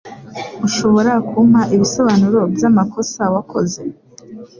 Ushobora kumpa ibisobanuro by’amakosa wakoze?